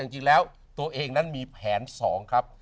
จริงแล้วตัวเองนั้นมีแผน๒ครับ